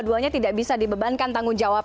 dua duanya tidak bisa dibebankan tanggung jawab